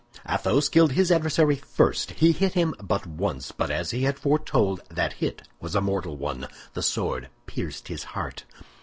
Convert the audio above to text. Athos killed his adversary first. He hit him but once, but as he had foretold, that hit was a mortal one; the sword pierced his heart.